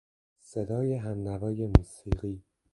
صدای همنوای موسیقی